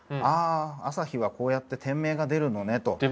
あああさひはこうやって店名が出るのねと。